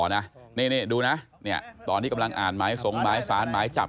นี่ดูนะตอนที่กำลังอ่านหมายสงหมายสารหมายจับ